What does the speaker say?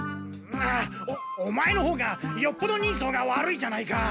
オオマエのほうがよっぽど人相が悪いじゃないか。